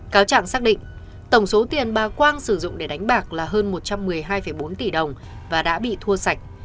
cáo trạng xác định tổng số tiền bà quang sử dụng để đánh bạc là hơn một trăm một mươi hai bốn tỷ đồng và đã bị thua sạch